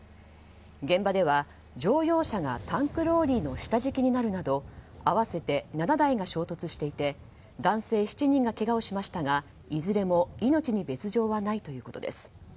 現場では乗用車がタンクローリーの下敷きになるなど合わせて７台が衝突していて男性７人がけがをしましたがいずれも命に別条はないということです。